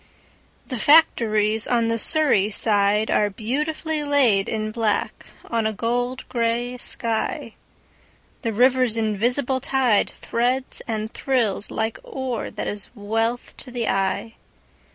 The factories on the Surrey sideAre beautifully laid in black on a gold grey sky. The river's invisible tideThreads and thrills like ore that is wealth to the eye.